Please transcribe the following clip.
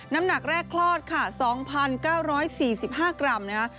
น้ำหนักแรกคลอดค่ะ๒๙๔๕กรัมนะคะ